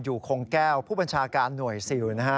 อยู่คงแก้วผู้บัญชาการหน่วยซิลนะฮะ